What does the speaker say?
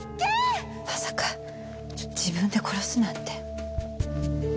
まさか自分で殺すなんて。